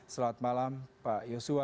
selamat malam pak yosua